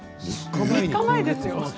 ３日前ですよ。